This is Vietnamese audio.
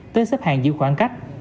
tới xếp hàng giữ khoảng cách